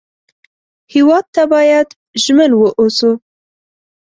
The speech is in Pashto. هېواد ته باید ژمن و اوسو